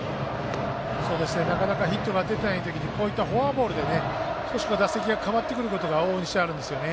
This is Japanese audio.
なかなかヒットが出ていない時にこうしたフォアボールで少し打席が変わってくることがあるんですよね。